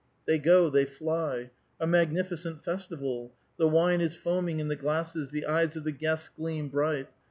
They go, they fly. A magnificent festival. The wine is foaming in the glasses ; the eyes of the guests gleam bright.